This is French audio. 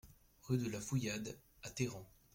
Rue de la Fouillade à Teyran